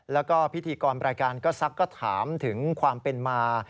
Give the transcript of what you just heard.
แล้วก็พิธีกรรายการก็ซักก็ถามถึงความเป็นมา